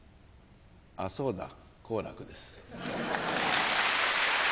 あっそうだ好楽です。